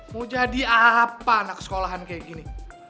mau jadi apa anak sekolahan kayak gini